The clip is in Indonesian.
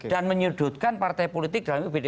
dan menyudutkan partai politik dalam ibu mega dan pdi